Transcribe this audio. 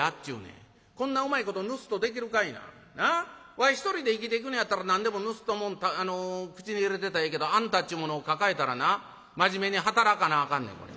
わい一人で生きていくのやったら何でもぬすんだもん口に入れてたらええけどあんたっちゅう者を抱えたらな真面目に働かなあかんねんこれ。